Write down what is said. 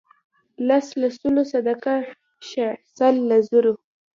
لس له سلو صدقه شه سل له زرو.